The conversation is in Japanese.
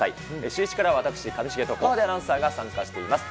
シューイチからは私、上重と河出アナウンサーが参加しています。